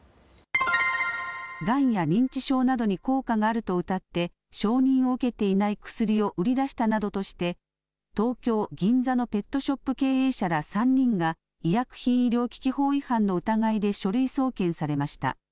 がんや認知症などに効果があるとうたって承認を受けていない薬を売り出したなどとして東京銀座のペットショップ経営者ら３人が医薬品医療機器法違反の疑いで書類送検されました。